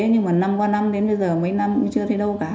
nhưng mà năm qua năm đến bây giờ mấy năm chưa thấy đâu cả